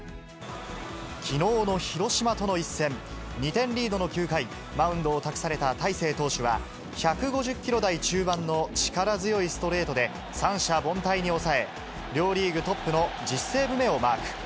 きのうの広島との一戦、２点リードの９回、マウンドを託された大勢投手は、１５０キロ台中盤の力強いストレートで三者凡退に抑え、両リーグトップの１０セーブ目をマーク。